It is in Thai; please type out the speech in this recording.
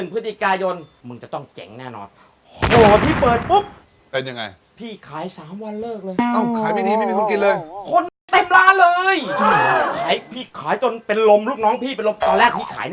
ตรี๔เก้าพี่เปิดวันพร้อมพืชส่วนโลกเลย